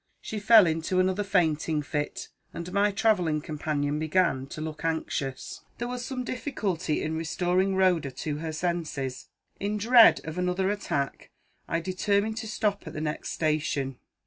She fell into another fainting fit; and my travelling companion began to look anxious. There was some difficulty in restoring Rhoda to her senses. In dread of another attack, I determined to stop at the next station.